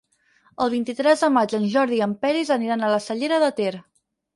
El vint-i-tres de maig en Jordi i en Peris aniran a la Cellera de Ter.